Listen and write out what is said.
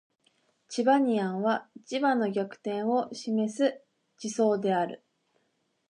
チバニアンは磁場の逆転を示す地層である